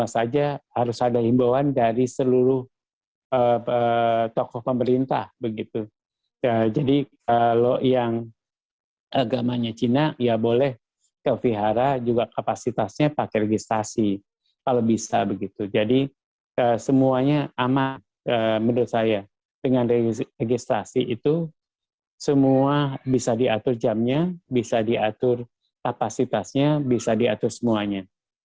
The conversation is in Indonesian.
semuanya aman menurut saya dengan registrasi itu semua bisa diatur jamnya bisa diatur kapasitasnya bisa diatur semuanya